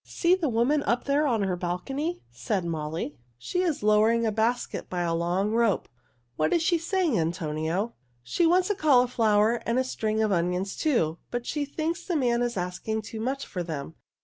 "See the woman up there on her balcony," said Molly. "She is lowering a basket by a long rope. What is she saying, Antonio?" "She wants a cauliflower and a string of onions, too, but she thinks the man is asking too much for them.